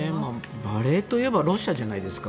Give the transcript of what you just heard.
バレエといえばロシアじゃないですか。